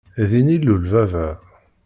Din i ilul baba.